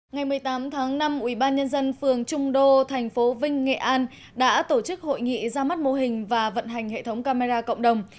ngày một mươi tám tháng năm ủy ban nhân dân phường trung đô thành phố vinh nghệ an đã tổ chức hội nghị ra mắt mô hình và vận hành hệ thống camera cộng đồng